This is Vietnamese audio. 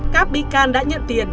các bị can đã nhận tiền